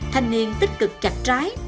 thành niên tích cực chặt trái